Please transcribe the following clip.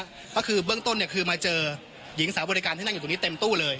ก็คือเบื้องต้นเนี่ยคือมาเจอหญิงสาวบริการที่นั่งอยู่ตรงนี้เต็มตู้เลย